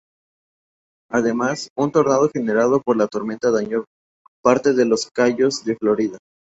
Además, un tornado generado por la tormenta dañó parte de los cayos de Florida.